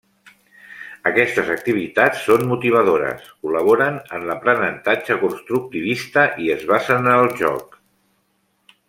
Aquestes activitats són motivadores, col·laboren en l'aprenentatge constructivista i es basen en el joc.